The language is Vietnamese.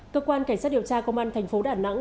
cơ quan cảnh sát điều tra công an thành phố đà nẵng